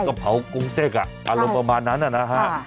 ก็เผากงเต็กอารมณ์ประมาณนั้นนะฮะ